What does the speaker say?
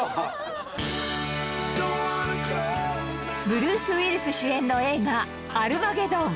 ブルース・ウィリス主演の映画『アルマゲドン』